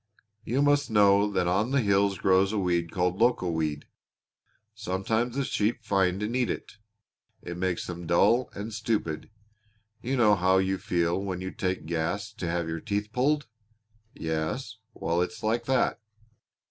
"You must know that on the hills grows a weed called loco weed. Sometimes the sheep find and eat it, and it makes them dull and stupid you know how you feel when you take gas to have your teeth pulled. Yes? Well, it's like that.